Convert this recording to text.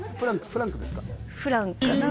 フランクですか？